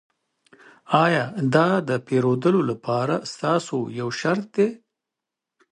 ایا دا د پیرودلو لپاره ستاسو یو شرط دی